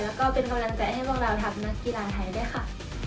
แล้วก็เป็นกำลังใจให้พวกเราทัพนักกีฬาไทยด้วยค่ะ